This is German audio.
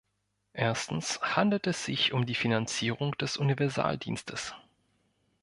Erstens handelt es sich um die Finanzierung des Universaldienstes.